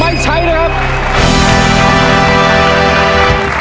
ไม่ใช้นะครับ